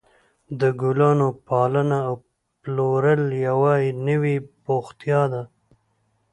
د ګلانو پالنه او پلورل یوه نوې بوختیا ده.